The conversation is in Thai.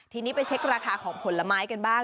ทีนี้ไปเช็คราคาของผลไม้กันบ้าง